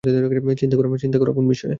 চিন্তা করা, কোন বিষয়ে?